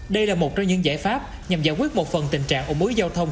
đây là một trong những giải pháp nhằm giải quyết một phần tình trạng ủng hối giao thông